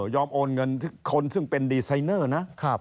โอนเงินคนซึ่งเป็นดีไซเนอร์นะ